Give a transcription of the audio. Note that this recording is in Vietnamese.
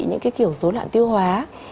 những cái kiểu dối loạn tiêu hóa